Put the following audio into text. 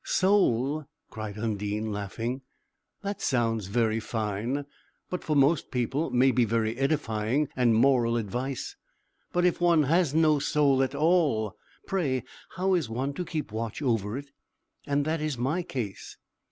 "Soul!" cried Undine, laughing; "that sounds very fine, and for most people may be very edifying and moral advice. But if one has no soul at all, pray how is one to keep watch over it? And that is my case."